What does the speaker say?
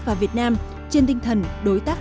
và việt nam trên tinh thần đối tác